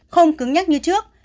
không cứng nhắc như trước